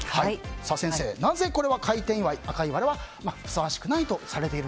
先生、なぜ開店祝いに赤いバラはふさわしくないと？